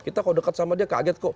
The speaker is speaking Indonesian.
kita kalau dekat sama dia kaget kok